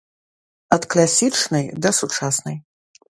Ад класічнай да сучаснай.